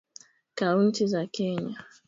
kaunti za kenya